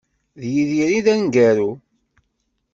D Yidir i d aneggaru.